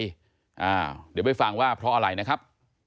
ช่วยเรื่องหน้าเดี๋ยวไปฟังว่าเพราะอะไรนะครับ